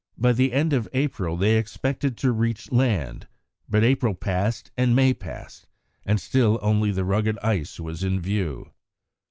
By the end of April they expected to reach land, but April passed and May passed, and still only the rugged ice was in view.